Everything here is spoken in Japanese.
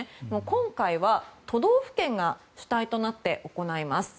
今回は都道府県が主体となって行います。